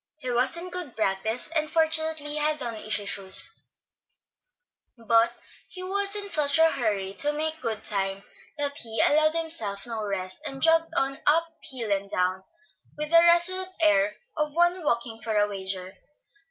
He was in good practice, and fortunately had on easy shoes; but he was in such a hurry to make good time that he allowed himself no rest, and jogged on, up hill and down, with the resolute air of one walking for a wager.